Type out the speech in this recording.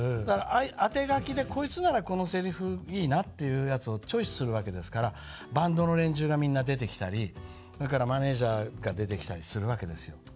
当て書きで「こいつならこのせりふいいな」っていうやつをチョイスするわけですからバンドの連中がみんな出てきたりそれからマネジャーが出てきたりするわけですよ。